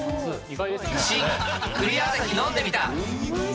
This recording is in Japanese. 新クリアアサヒ飲んでみた。